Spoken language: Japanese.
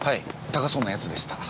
高そうなやつでした。